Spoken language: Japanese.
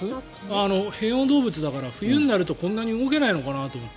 変温動物だから冬になるとこんなに動けないのかなと思って。